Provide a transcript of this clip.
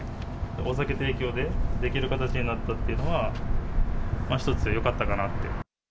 お酒提供でできる形になったっていうのは一つよかったかなって。